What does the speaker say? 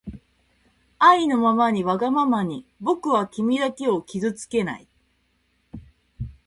あいのままにわがままにぼくはきみだけをきずつけない